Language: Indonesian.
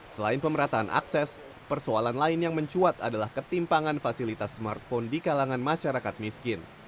selain pemerataan akses persoalan lain yang mencuat adalah ketimpangan fasilitas smartphone di kalangan masyarakat miskin